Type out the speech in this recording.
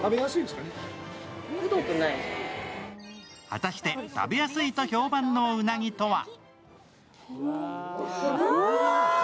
果たして、食べやすいと評判のうなぎとは？